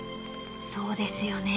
［そうですよね］